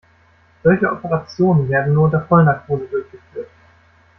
Solche Operationen werden nur unter Vollnarkose durchgeführt.